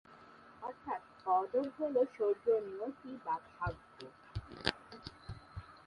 অর্থাৎ কদর হল স্বর্গীয় নিয়তি বা ভাগ্য।